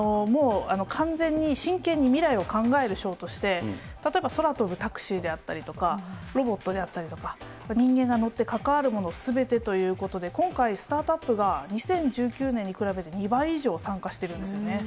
完全に真剣に未来を考えるショーとして、例えば空飛ぶタクシーであったりとか、ロボットであったりとか、人間が乗って関わるものすべてということで、今回スタートアップが２０１９年に比べて２倍以上参加してるんですね。